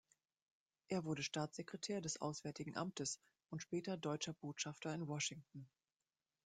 Er wurde Staatssekretär des Auswärtigen Amtes und später deutscher Botschafter in Washington.